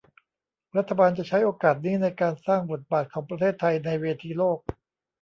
รัฐบาลจะใช้โอกาสนี้ในการสร้างบทบาทของประเทศไทยในเวทีโลก